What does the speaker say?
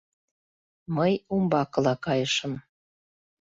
Мый умбакыла кайышым.